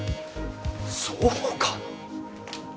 そうかな？